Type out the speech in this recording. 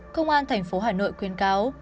công an tp hà nội khuyên cáo